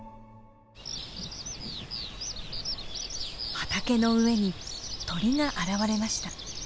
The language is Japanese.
畑の上に鳥が現れました。